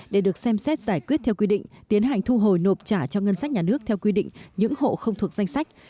để được xem xét giải quyết theo quy định tiến hành thu hồi nộp trả cho ngân sách nhà nước theo quy định những hộ không thuộc danh sách